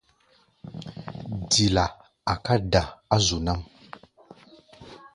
Dila a̧ká̧ da̧ á zu nám.